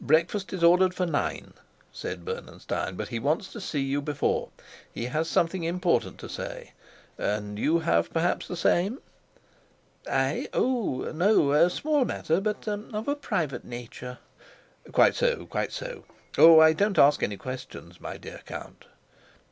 "Breakfast is ordered for nine," said Bernenstein, "but he wants to see you before. He has something important to say; and you perhaps have the same?" "I? Oh, no. A small matter; but er of a private nature." "Quite so, quite so. Oh, I don't ask any questions, my dear Count."